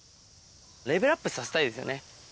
レベルアップさせたいですよね。